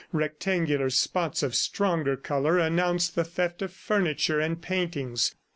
Rectangular spots of stronger color announced the theft of furniture and paintings.